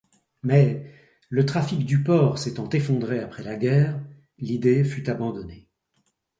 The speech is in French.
Mais, le trafic du port s'étant effondré après la guerre, l'idée fut abandonnée.